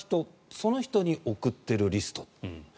その人に送っているリスト。